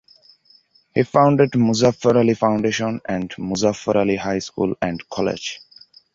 He founded Muzaffar Ali Foundation and Muzaffar Ali High School and College.